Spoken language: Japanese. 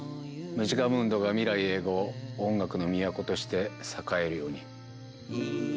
ムジカムンドが未来永劫音楽の都として栄えるように。